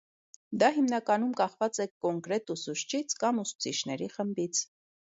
Դա հիմնականում կախված է կոնկրետ ուսուցչից կամ ուսուցիչների խմբից։